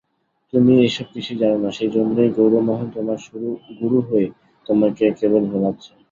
তুমি এ-সব কিছুই জান না, সেইজন্যেই গৌরমোহন তোমার গুরু হয়ে তোমাকে কেবল ভোলাচ্ছে।